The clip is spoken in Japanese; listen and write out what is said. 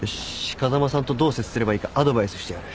風間さんとどう接すればいいかアドバイスしてやる。